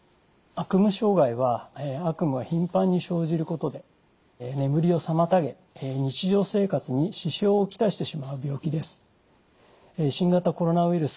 悪夢障害は悪夢がひんぱんに生じることで眠りを妨げ日常生活に支障を来してしまう病気です。